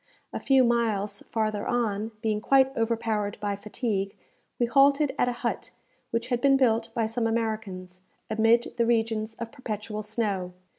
A few miles farther on, being quite overpowered by fatigue, we halted at a hut which had been built by some Americans, amid the regions of perpetual snow.